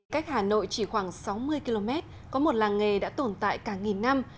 cách hà nội chỉ khoảng sáu mươi km có một làng nghề đã tồn tại cả nghìn năm